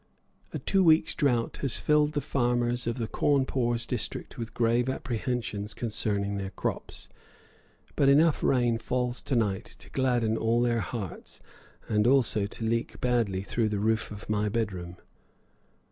A two weeks' drought has filled the farmers of the Cawnpore district with grave apprehensions concerning their crops; but enough rain falls to night to gladden all their hearts, and also to leak badly through the roof of my bedroom.